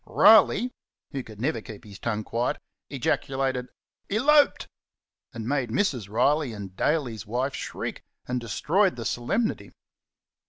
Riley, who could never keep his tongue quiet, ejaculated, "Elorped!" and made Mrs. Riley and Daley's wife shriek, and destroyed the solemnity.